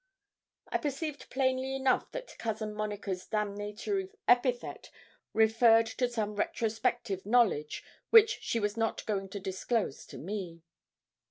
I perceived plainly enough that Cousin Monica's damnatory epithet referred to some retrospective knowledge, which she was not going to disclose to me.